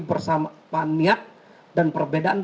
bersama niat dan perbedaan